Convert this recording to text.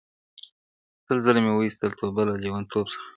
سل ځله مي وایستل توبه له لېونتوب څخه -